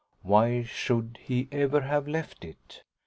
Why should he ever have left it?